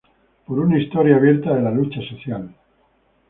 Por una historia abierta de la lucha social".